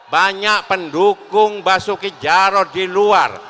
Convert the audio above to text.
banyak pendukung basuki jarod di luar